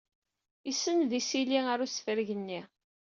Isenned isili ɣer ussefreg-nni.